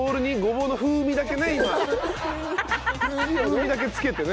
風味だけ付けてね。